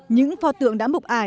những pho tượng đã mục ải